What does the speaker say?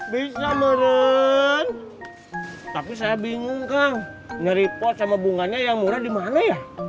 bisa meren tapi saya bingung kang ngeri pot sama bunganya yang murah dimana ya